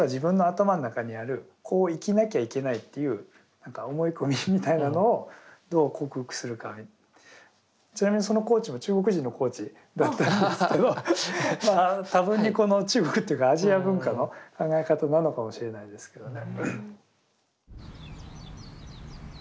まあだからある意味の誰が抵抗してるというのは実はちなみにそのコーチも中国人のコーチだったんですけどまあ多分にこの中国っていうかアジア文化の考え方なのかもしれないですけどね。